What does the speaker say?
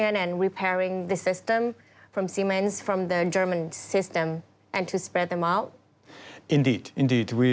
เธอคิดว่าไทยเป็นการที่มาทำคนหรือให้เป็นคน